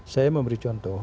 saya memberi contoh